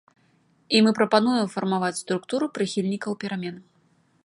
І мы прапануем фармаваць структуру прыхільнікаў перамен.